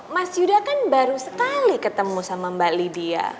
mas yuda kan baru sekali ketemu sama mbak lydia